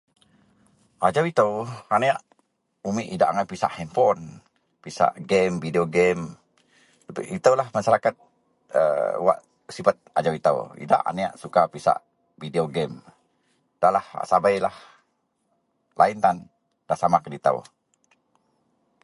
Ajau ito anek umit idak angai pisak hanpon pisak gem pisak video gem itolah masaraket wak sibet ajau ito idak anek suka pisak video game da lah a sabei lain tan nda sama kedito.